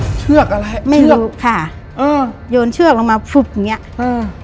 โยนเชือกลงมาเชือกอะไรไม่รู้ค่ะอืมโยนเชือกลงมาฟุบอย่างเงี้ยอืม